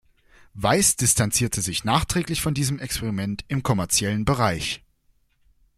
Weiss distanzierte sich nachträglich von diesem Experiment im kommerziellen Bereich.